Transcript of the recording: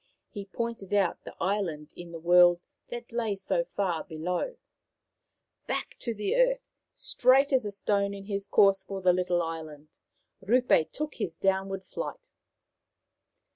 He pointed out the island in the world that lay so far below. Back to the earth, straight as a stone in his course for the little island, Rupe took his down ward flight.